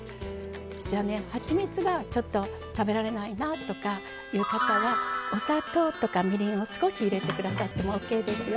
じゃあねはちみつがちょっと食べられないなとかいう方はお砂糖とかみりんを少し入れて下さってもＯＫですよ。